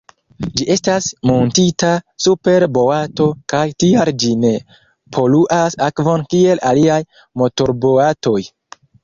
Ĝi estas muntita super boato kaj tial ĝi ne poluas akvon kiel aliaj motorboatoj.